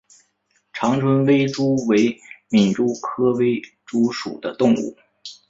长春微蛛为皿蛛科微蛛属的动物。